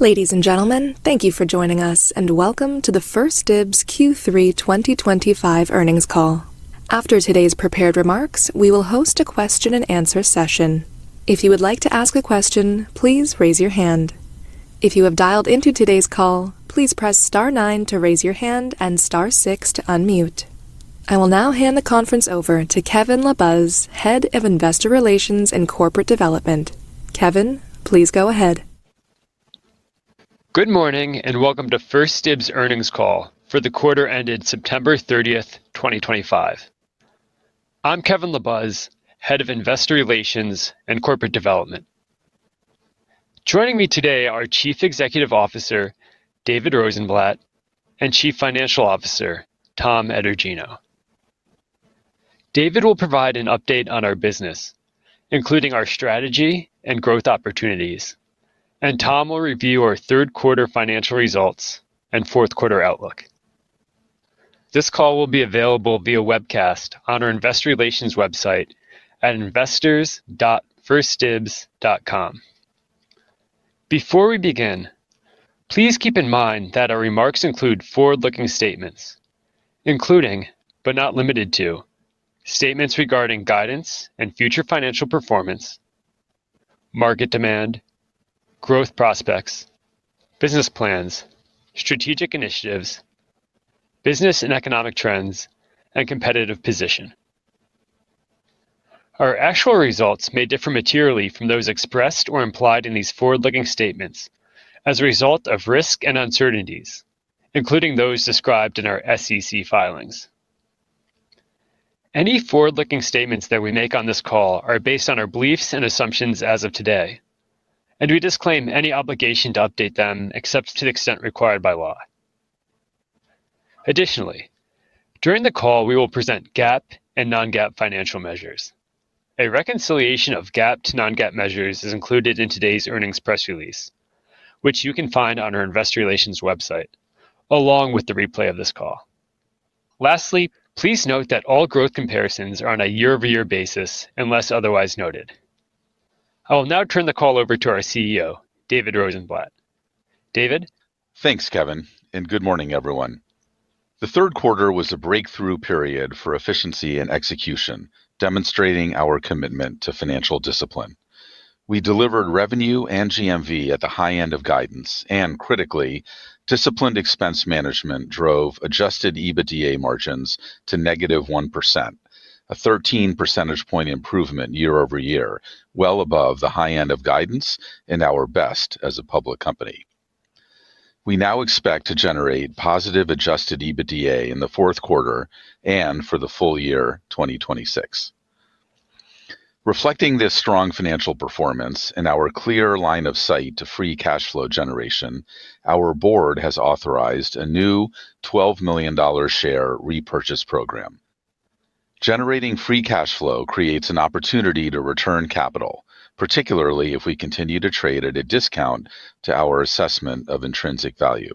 Ladies and gentlemen, thank you for joining us, and welcome to the 1stDibs Q3 2025 earnings call. After today's prepared remarks, we will host a question-and-answer session. If you would like to ask a question, please raise your hand. If you have dialed into today's call, please press star nine to raise your hand and star six to unmute. I will now hand the conference over to Kevin LaBuz, Head of Investor Relations and Corporate Development. Kevin, please go ahead. Good morning and welcome to 1stDibs Earnings Call, for the quarter ended September 30, 2025. I'm Kevin LaBuz, Head of Investor Relations and Corporate Development. Joining me today are Chief Executive Officer David Rosenblatt and Chief Financial Officer Tom Etergino. David will provide an update on our business, including our strategy and growth opportunities, and Tom will review our third-quarter financial results and fourth-quarter outlook. This call will be available via webcast on our investor relations website at investors.1stdibs.com. Before we begin, please keep in mind that our remarks include forward-looking statements, including, but not limited to, statements regarding guidance and future financial performance, market demand, growth prospects, business plans, strategic initiatives, business and economic trends, and competitive position. Our actual results may differ materially from those expressed or implied in these forward-looking statements as a result of risk and uncertainties, including those described in our SEC filings. Any forward-looking statements that we make on this call are based on our beliefs and assumptions as of today, and we disclaim any obligation to update them except to the extent required by law. Additionally, during the call, we will present GAAP and non-GAAP financial measures. A reconciliation of GAAP to non-GAAP measures is included in today's earnings press release, which you can find on our investor relations website along with the replay of this call. Lastly, please note that all growth comparisons are on a year-over-year basis unless otherwise noted. I will now turn the call over to our CEO, David Rosenblatt. David. Thanks, Kevin, and good morning, everyone. The third quarter was a breakthrough period for efficiency and execution, demonstrating our commitment to financial discipline. We delivered revenue and GMV at the high end of guidance, and critically, disciplined expense management drove adjusted EBITDA margins to -1%, a 13% point improvement year over year, well above the high end of guidance and our best as a public company. We now expect to generate positive adjusted EBITDA in the fourth quarter and for the full year 2026. Reflecting this strong financial performance and our clear line of sight to free cash flow generation, our board has authorized a new $12 million share repurchase program. Generating free cash flow creates an opportunity to return capital, particularly if we continue to trade at a discount to our assessment of intrinsic value.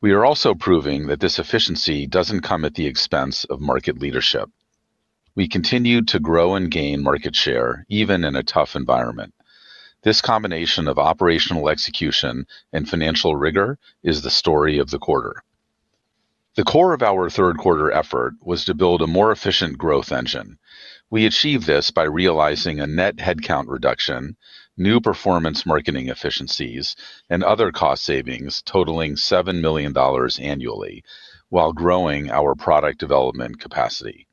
We are also proving that this efficiency doesn't come at the expense of market leadership. We continue to grow and gain market share even in a tough environment. This combination of operational execution and financial rigor is the story of the quarter. The core of our third-quarter effort was to build a more efficient growth engine. We achieved this by realizing a net headcount reduction, new performance marketing efficiencies, and other cost savings totaling $7 million annually, while growing our product development capacity.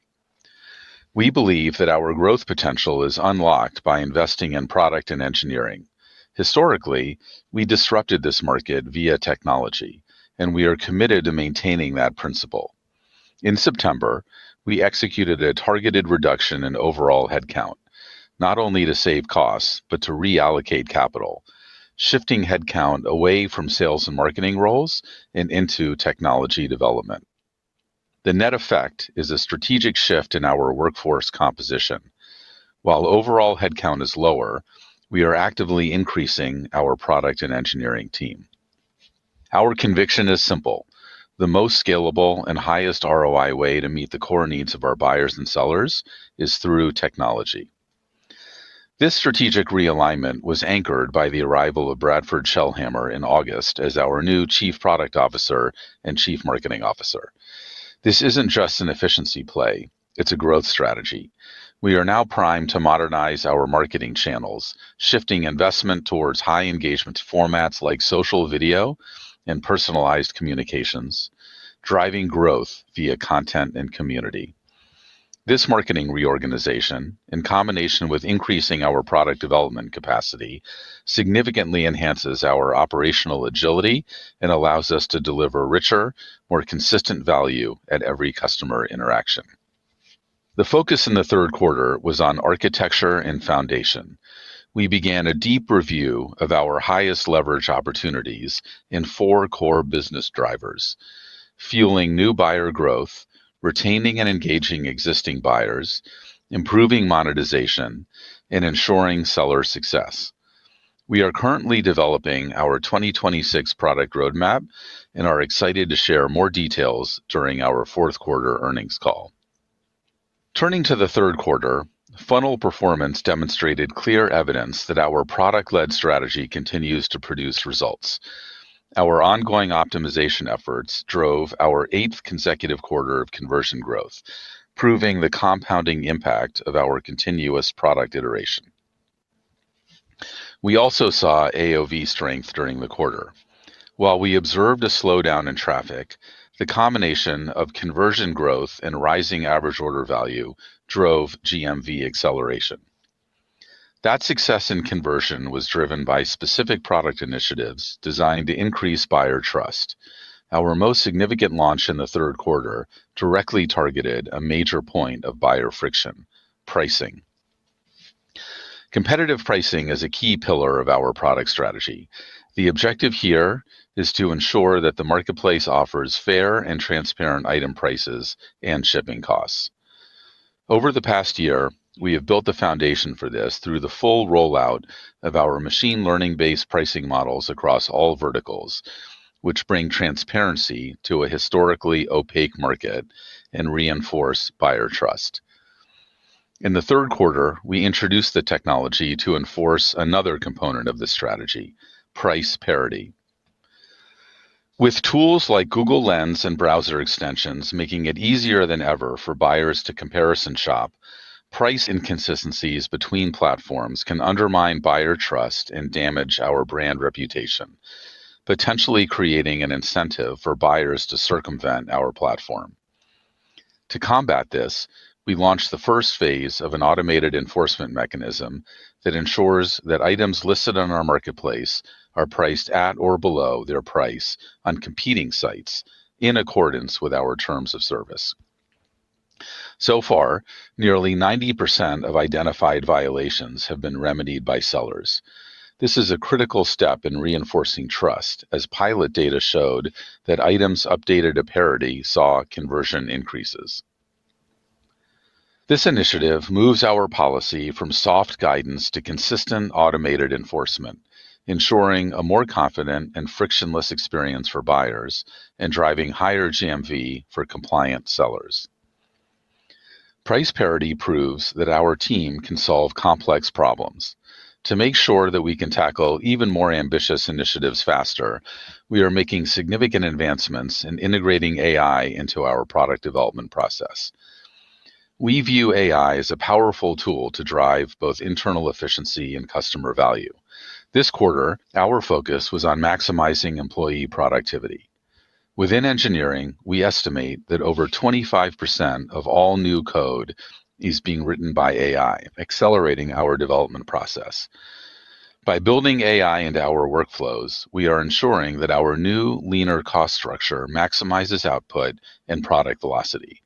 We believe that our growth potential is unlocked by investing in product and engineering. Historically, we disrupted this market via technology, and we are committed to maintaining that principle. In September, we executed a targeted reduction in overall headcount, not only to save costs but to reallocate capital, shifting headcount away from sales and marketing roles and into technology development. The net effect is a strategic shift in our workforce composition. While overall headcount is lower, we are actively increasing our product and engineering team. Our conviction is simple: the most scalable and highest ROI way to meet the core needs of our buyers and sellers is through technology. This strategic realignment was anchored by the arrival of Bradford Shellhammer in August as our new Chief Product Officer and Chief Marketing Officer. This isn't just an efficiency play; it's a growth strategy. We are now primed to modernize our marketing channels, shifting investment towards high-engagement formats like social video and personalized communications, driving growth via content and community. This marketing reorganization, in combination with increasing our product development capacity, significantly enhances our operational agility and allows us to deliver richer, more consistent value at every customer interaction. The focus in the third quarter was on architecture and foundation. We began a deep review of our highest leverage opportunities in four core business drivers: fueling new buyer growth, retaining and engaging existing buyers, improving monetization, and ensuring seller success. We are currently developing our 2026 product roadmap and are excited to share more details during our fourth-quarter earnings call. Turning to the third quarter, funnel performance demonstrated clear evidence that our product-led strategy continues to produce results. Our ongoing optimization efforts drove our eighth consecutive quarter of conversion growth, proving the compounding impact of our continuous product iteration. We also saw AOV strength during the quarter. While we observed a slowdown in traffic, the combination of conversion growth and rising average order value drove GMV acceleration. That success in conversion was driven by specific product initiatives designed to increase buyer trust. Our most significant launch in the third quarter directly targeted a major point of buyer friction: pricing. Competitive pricing is a key pillar of our product strategy. The objective here is to ensure that the marketplace offers fair and transparent item prices and shipping costs. Over the past year, we have built the foundation for this through the full rollout of our machine learning-based pricing models across all verticals, which bring transparency to a historically opaque market and reinforce buyer trust. In the third quarter, we introduced the technology to enforce another component of this strategy: price parity. With tools like Google Lens and browser extensions making it easier than ever for buyers to comparison shop, price inconsistencies between platforms can undermine buyer trust and damage our brand reputation, potentially creating an incentive for buyers to circumvent our platform. To combat this, we launched the first phase of an automated enforcement mechanism that ensures that items listed on our marketplace are priced at or below their price on competing sites in accordance with our terms of service. So far, nearly 90% of identified violations have been remedied by sellers. This is a critical step in reinforcing trust, as pilot data showed that items updated to parity saw conversion increases. This initiative moves our policy from soft guidance to consistent automated enforcement, ensuring a more confident and frictionless experience for buyers and driving higher GMV for compliant sellers. Price parity proves that our team can solve complex problems. To make sure that we can tackle even more ambitious initiatives faster, we are making significant advancements in integrating AI into our product development process. We view AI as a powerful tool to drive both internal efficiency and customer value. This quarter, our focus was on maximizing employee productivity. Within engineering, we estimate that over 25% of all new code is being written by AI, accelerating our development process. By building AI into our workflows, we are ensuring that our new, leaner cost structure maximizes output and product velocity.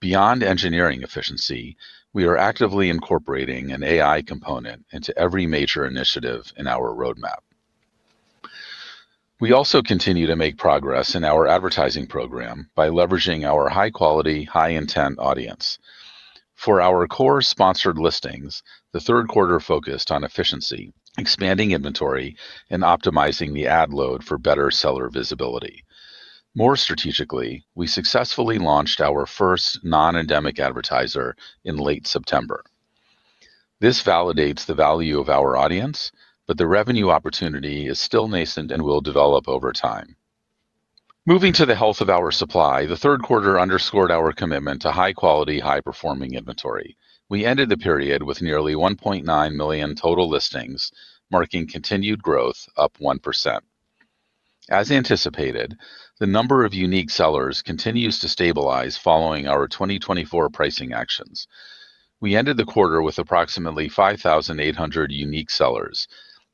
Beyond engineering efficiency, we are actively incorporating an AI component into every major initiative in our roadmap. We also continue to make progress in our advertising program by leveraging our high-quality, high-intent audience. For our core sponsored listings, the third quarter focused on efficiency, expanding inventory, and optimizing the ad load for better seller visibility. More strategically, we successfully launched our first non-endemic advertiser in late September. This validates the value of our audience, but the revenue opportunity is still nascent and will develop over time. Moving to the health of our supply, the third quarter underscored our commitment to high-quality, high-performing inventory. We ended the period with nearly 1.9 million total listings, marking continued growth up 1%. As anticipated, the number of unique sellers continues to stabilize following our 2024 pricing actions. We ended the quarter with approximately 5,800 unique sellers,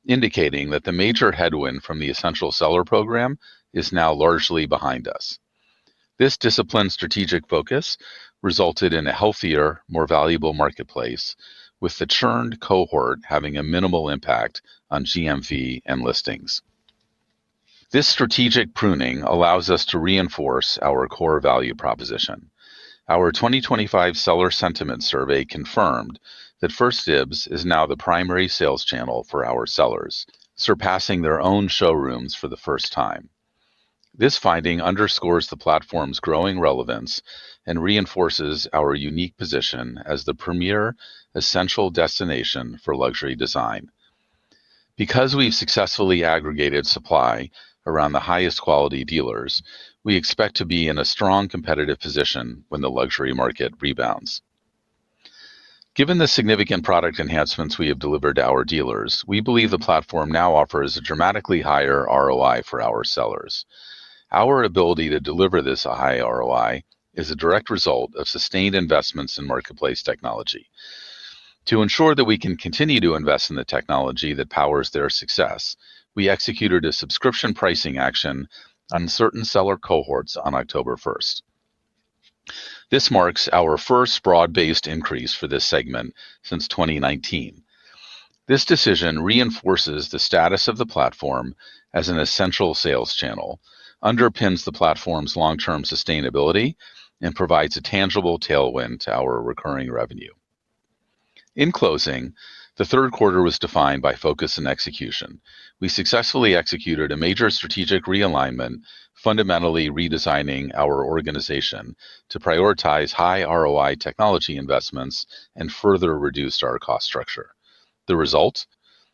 indicating that the major headwind from the essential seller program is now largely behind us. This disciplined strategic focus resulted in a healthier, more valuable marketplace, with the churned cohort having a minimal impact on GMV and listings. This strategic pruning allows us to reinforce our core value proposition. Our 2025 seller sentiment survey confirmed that 1stdibs.com is now the primary sales channel for our sellers, surpassing their own showrooms for the first time. This finding underscores the platform's growing relevance and reinforces our unique position as the premier essential destination for luxury design. Because we've successfully aggregated supply around the highest quality dealers, we expect to be in a strong competitive position when the luxury market rebounds. Given the significant product enhancements we have delivered to our dealers, we believe the platform now offers a dramatically higher ROI for our sellers. Our ability to deliver this high ROI is a direct result of sustained investments in marketplace technology. To ensure that we can continue to invest in the technology that powers their success, we executed a subscription pricing action on certain seller cohorts on October 1st. This marks our first broad-based increase for this segment since 2019. This decision reinforces the status of the platform as an essential sales channel, underpins the platform's long-term sustainability, and provides a tangible tailwind to our recurring revenue. In closing, the third quarter was defined by focus and execution. We successfully executed a major strategic realignment, fundamentally redesigning our organization to prioritize high ROI technology investments and further reduce our cost structure. The result?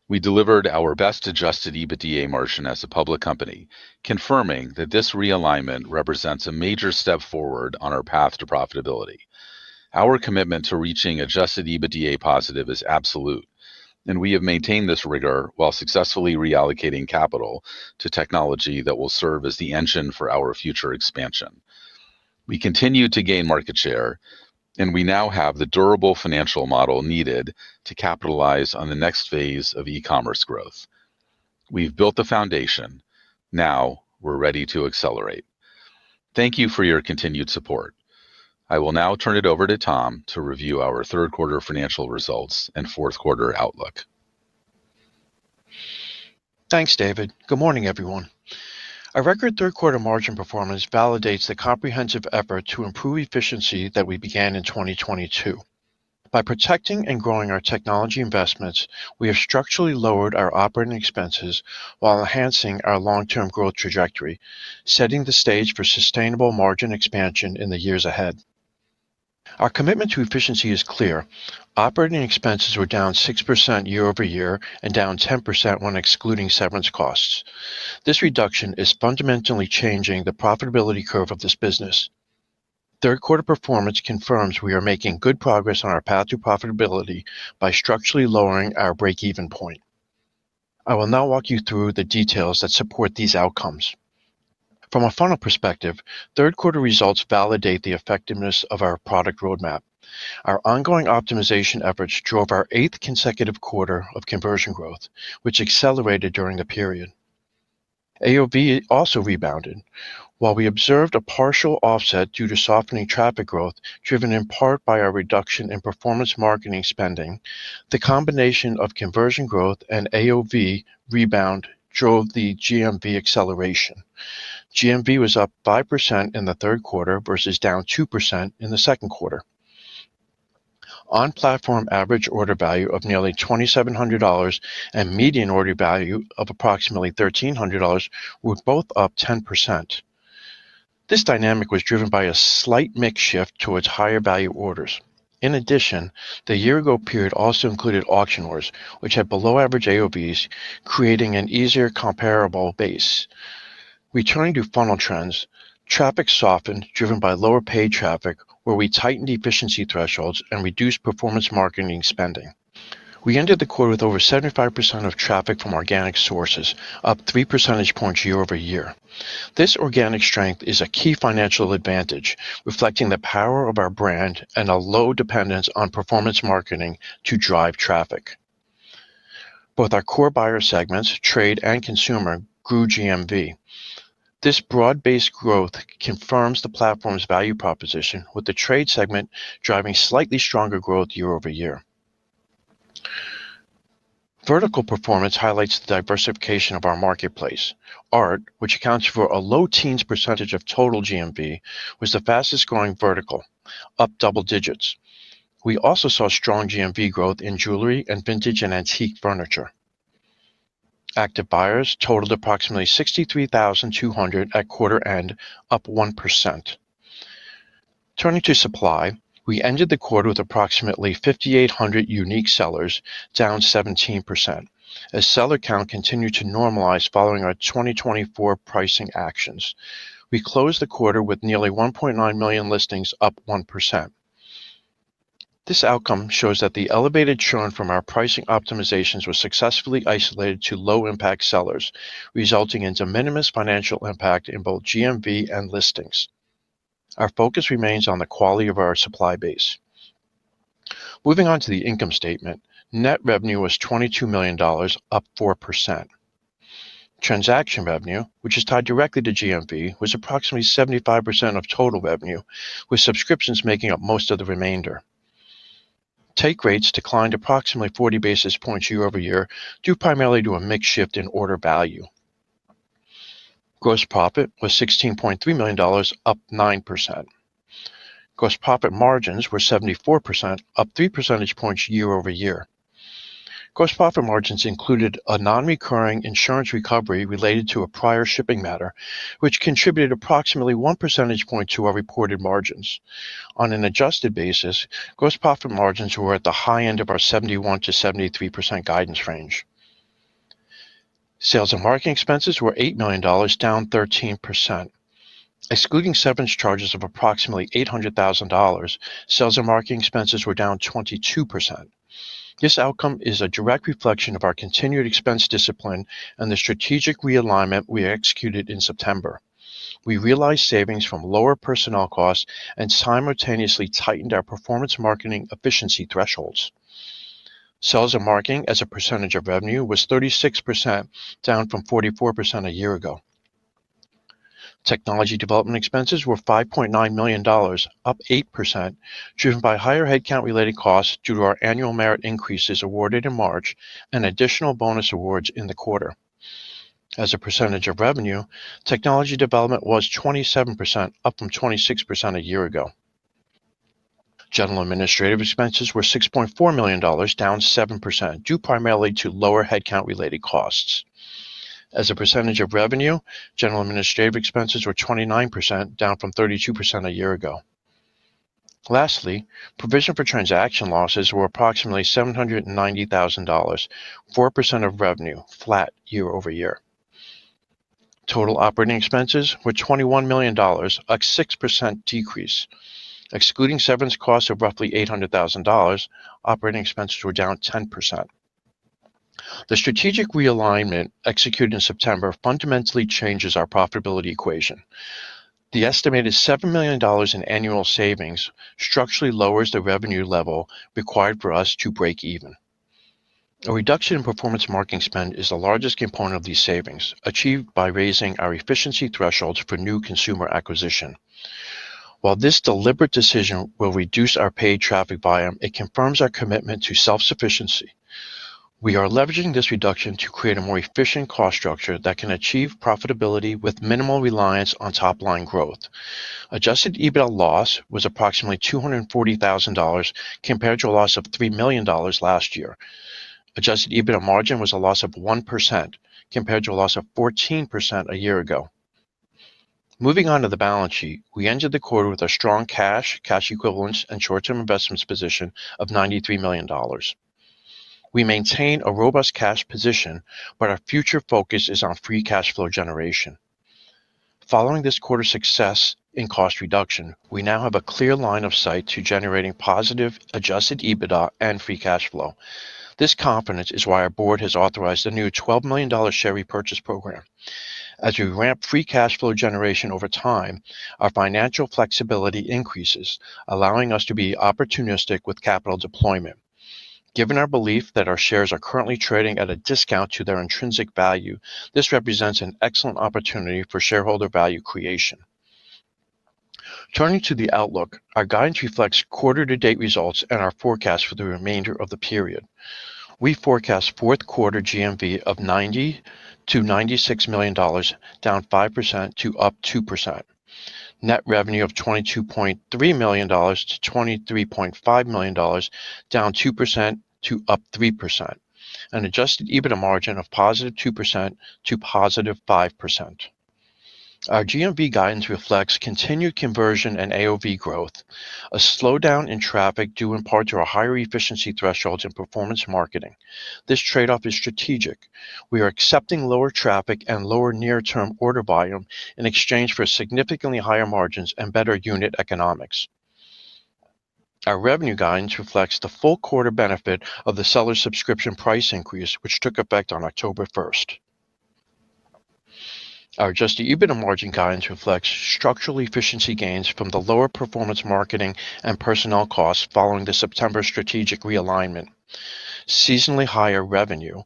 We delivered our best adjusted EBITDA margin as a public company, confirming that this realignment represents a major step forward on our path to profitability. Our commitment to reaching adjusted EBITDA positive is absolute, and we have maintained this rigor while successfully reallocating capital to technology that will serve as the engine for our future expansion. We continue to gain market share, and we now have the durable financial model needed to capitalize on the next phase of e-commerce growth. We've built the foundation; now we're ready to accelerate. Thank you for your continued support. I will now turn it over to Tom to review our third-quarter financial results and fourth-quarter outlook. Thanks, David. Good morning, everyone. Our record third-quarter margin performance validates the comprehensive effort to improve efficiency that we began in 2022. By protecting and growing our technology investments, we have structurally lowered our operating expenses while enhancing our long-term growth trajectory, setting the stage for sustainable margin expansion in the years ahead. Our commitment to efficiency is clear. Operating expenses were down 6% year over year and down 10% when excluding severance costs. This reduction is fundamentally changing the profitability curve of this business. Third-quarter performance confirms we are making good progress on our path to profitability by structurally lowering our break-even point. I will now walk you through the details that support these outcomes. From a funnel perspective, third-quarter results validate the effectiveness of our product roadmap. Our ongoing optimization efforts drove our eighth consecutive quarter of conversion growth, which accelerated during the period. AOV also rebounded. While we observed a partial offset due to softening traffic growth driven in part by our reduction in performance marketing spending, the combination of conversion growth and AOV rebound drove the GMV acceleration. GMV was up 5% in the third quarter versus down 2% in the second quarter. On-platform average order value of nearly $2,700 and median order value of approximately $1,300 were both up 10%. This dynamic was driven by a slight mix shift towards higher value orders. In addition, the year-ago period also included auction orders, which had below-average AOVs, creating an easier comparable base. Returning to funnel trends, traffic softened driven by lower paid traffic, where we tightened efficiency thresholds and reduced performance marketing spending. We ended the quarter with over 75% of traffic from organic sources, up 3% points year over year. This organic strength is a key financial advantage, reflecting the power of our brand and a low dependence on performance marketing to drive traffic. Both our core buyer segments, trade and consumer, grew GMV. This broad-based growth confirms the platform's value proposition, with the trade segment driving slightly stronger growth year over year. Vertical performance highlights the diversification of our marketplace. Art, which accounts for a low teens % of total GMV, was the fastest-growing vertical, up double digits. We also saw strong GMV growth in jewelry and vintage and antique furniture. Active buyers totaled approximately 63,200 at quarter-end, up 1%. Turning to supply, we ended the quarter with approximately 5,800 unique sellers, down 17%. As seller count continued to normalize following our 2024 pricing actions, we closed the quarter with nearly 1.9 million listings, up 1%. This outcome shows that the elevated churn from our pricing optimizations was successfully isolated to low-impact sellers, resulting in de minimis financial impact in both GMV and listings. Our focus remains on the quality of our supply base. Moving on to the income statement, net revenue was $22 million, up 4%. Transaction revenue, which is tied directly to GMV, was approximately 75% of total revenue, with subscriptions making up most of the remainder. Take rates declined approximately 40 basis points year over year, due primarily to a mix shift in order value. Gross profit was $16.3 million, up 9%. Gross profit margins were 74%, up 3% points year over year. Gross profit margins included a non-recurring insurance recovery related to a prior shipping matter, which contributed approximately 1% point to our reported margins. On an adjusted basis, gross profit margins were at the high end of our 71%-73% guidance range. Sales and marketing expenses were $8 million, down 13%. Excluding severance charges of approximately $800,000, sales and marketing expenses were down 22%. This outcome is a direct reflection of our continued expense discipline and the strategic realignment we executed in September. We realized savings from lower personnel costs and simultaneously tightened our performance marketing efficiency thresholds. Sales and marketing, as a percentage of revenue, was 36%, down from 44% a year ago. Technology development expenses were $5.9 million, up 8%, driven by higher headcount-related costs due to our annual merit increases awarded in March and additional bonus awards in the quarter. As a percentage of revenue, technology development was 27%, up from 26% a year ago. General administrative expenses were $6.4 million, down 7%, due primarily to lower headcount-related costs. As a percentage of revenue, general administrative expenses were 29%, down from 32% a year ago. Lastly, provision for transaction losses were approximately $790,000, 4% of revenue, flat year over year. Total operating expenses were $21 million, up 6% decrease. Excluding severance costs of roughly $800,000, operating expenses were down 10%. The strategic realignment executed in September fundamentally changes our profitability equation. The estimated $7 million in annual savings structurally lowers the revenue level required for us to break even. A reduction in performance marketing spend is the largest component of these savings, achieved by raising our efficiency thresholds for new consumer acquisition. While this deliberate decision will reduce our paid traffic volume, it confirms our commitment to self-sufficiency. We are leveraging this reduction to create a more efficient cost structure that can achieve profitability with minimal reliance on top-line growth. Adjusted EBITDA loss was approximately $240,000 compared to a loss of $3 million last year. Adjusted EBITDA margin was a loss of 1% compared to a loss of 14% a year ago. Moving on to the balance sheet, we ended the quarter with a strong cash, cash equivalents, and short-term investments position of $93 million. We maintain a robust cash position, but our future focus is on free cash flow generation. Following this quarter's success in cost reduction, we now have a clear line of sight to generating positive adjusted EBITDA and free cash flow. This confidence is why our board has authorized a new $12 million share repurchase program. As we ramp free cash flow generation over time, our financial flexibility increases, allowing us to be opportunistic with capital deployment. Given our belief that our shares are currently trading at a discount to their intrinsic value, this represents an excellent opportunity for shareholder value creation. Turning to the outlook, our guidance reflects quarter-to-date results and our forecast for the remainder of the period. We forecast fourth-quarter GMV of $90-$96 million, down 5% to up 2%. Net revenue of $22.3 million-$23.5 million, down 2% to up 3%. An adjusted EBITDA margin of positive 2% to positive 5%. Our GMV guidance reflects continued conversion and AOV growth, a slowdown in traffic due in part to our higher efficiency thresholds and performance marketing. This trade-off is strategic. We are accepting lower traffic and lower near-term order volume in exchange for significantly higher margins and better unit economics. Our revenue guidance reflects the full quarter benefit of the seller subscription price increase, which took effect on October 1st. Our adjusted EBITDA margin guidance reflects structural efficiency gains from the lower performance marketing and personnel costs following the September strategic realignment, seasonally higher revenue,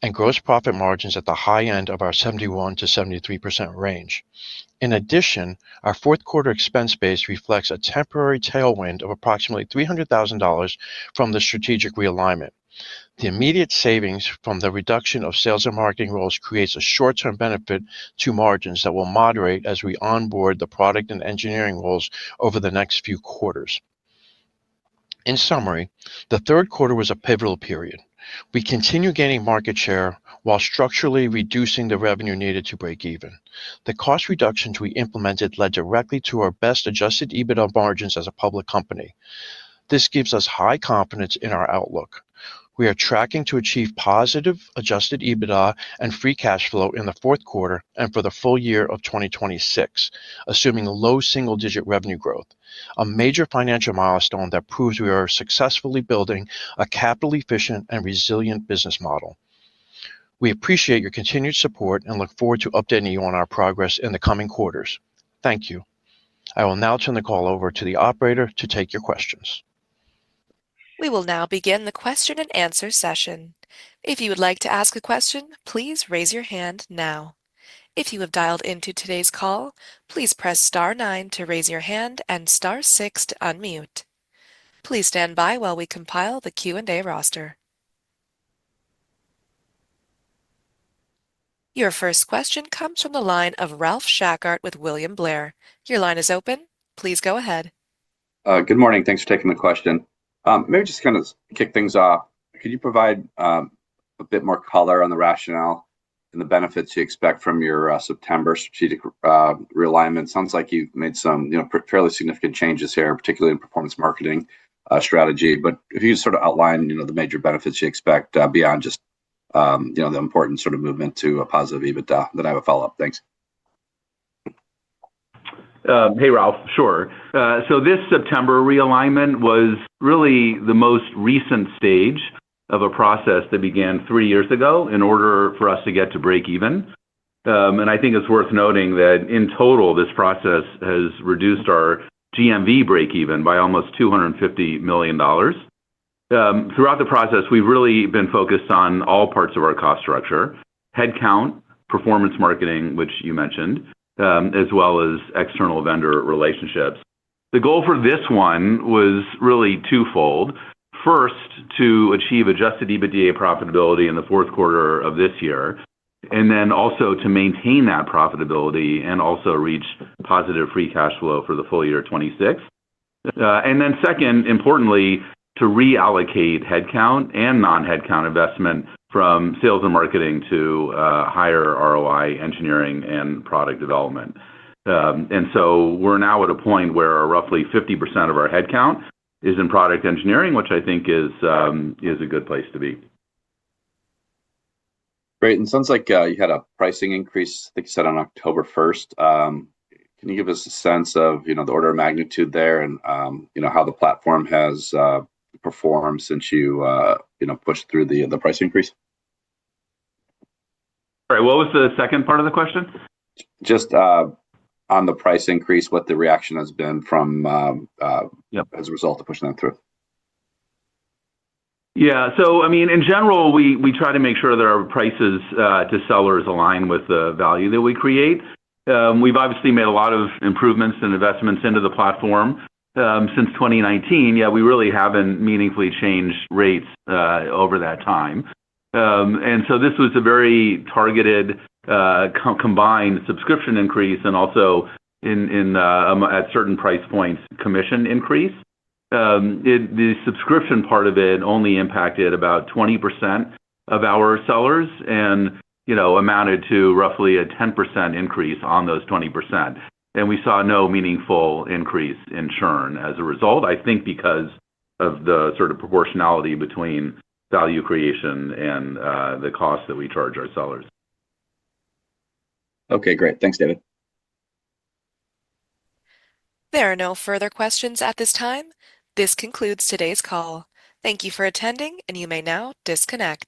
and gross profit margins at the high end of our 71%-73% range. In addition, our fourth-quarter expense base reflects a temporary tailwind of approximately $300,000 from the strategic realignment. The immediate savings from the reduction of sales and marketing roles creates a short-term benefit to margins that will moderate as we onboard the product and engineering roles over the next few quarters. In summary, the third quarter was a pivotal period. We continue gaining market share while structurally reducing the revenue needed to break even. The cost reductions we implemented led directly to our best adjusted EBITDA margins as a public company. This gives us high confidence in our outlook. We are tracking to achieve positive adjusted EBITDA and free cash flow in the fourth quarter and for the full year of 2026, assuming low single-digit revenue growth, a major financial milestone that proves we are successfully building a capital-efficient and resilient business model. We appreciate your continued support and look forward to updating you on our progress in the coming quarters. Thank you. I will now turn the call over to the operator to take your questions. We will now begin the question and answer session. If you would like to ask a question, please raise your hand now. If you have dialed into today's call, please press star nine to raise your hand and star six to unmute. Please stand by while we compile the Q&A roster. Your first question comes from the line of Ralph Schackart with William Blair. Your line is open. Please go ahead. Good morning. Thanks for taking the question. Maybe just to kind of kick things off, could you provide a bit more color on the rationale and the benefits you expect from your September strategic realignment? Sounds like you've made some fairly significant changes here, particularly in performance marketing strategy. If you could sort of outline the major benefits you expect beyond just the important sort of movement to a positive EBITDA, then I have a follow-up. Thanks. Hey, Ralph. Sure. This September realignment was really the most recent stage of a process that began three years ago in order for us to get to break even. I think it is worth noting that in total, this process has reduced our GMV break even by almost $250 million. Throughout the process, we have really been focused on all parts of our cost structure: headcount, performance marketing, which you mentioned, as well as external vendor relationships. The goal for this one was really twofold. First, to achieve adjusted EBITDA profitability in the fourth quarter of this year, and also to maintain that profitability and also reach positive free cash flow for the full year 2026. Second, importantly, to reallocate headcount and non-headcount investment from sales and marketing to higher ROI engineering and product development. We're now at a point where roughly 50% of our headcount is in product engineering, which I think is a good place to be. Great. It sounds like you had a pricing increase, like you said, on October 1st. Can you give us a sense of the order of magnitude there and how the platform has performed since you pushed through the price increase? Sorry, what was the second part of the question? Just on the price increase, what the reaction has been from as a result of pushing that through? Yeah. So, I mean, in general, we try to make sure that our prices to sellers align with the value that we create. We've obviously made a lot of improvements and investments into the platform since 2019. Yeah, we really haven't meaningfully changed rates over that time. This was a very targeted combined subscription increase and also, at certain price points, commission increase. The subscription part of it only impacted about 20% of our sellers and amounted to roughly a 10% increase on those 20%. We saw no meaningful increase in churn as a result, I think, because of the sort of proportionality between value creation and the cost that we charge our sellers. Okay. Great. Thanks, David. There are no further questions at this time. This concludes today's call. Thank you for attending, and you may now disconnect.